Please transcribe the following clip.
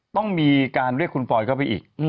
ต้องมีการเรียกคุณฟอยเข้าไปอีก